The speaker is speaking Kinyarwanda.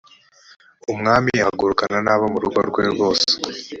umwami ahagurukana n abo mu rugo rwe bose